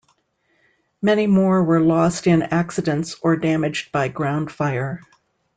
Many more were lost in accidents or damaged by ground fire.